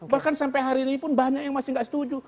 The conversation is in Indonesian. bahkan sampai hari ini pun banyak yang masih tidak setuju